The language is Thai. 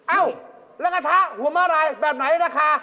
เอ้าละกระทะหัวมาลายแบบไหนนะคะ